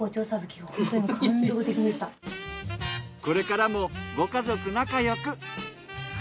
これからもご家族仲よく。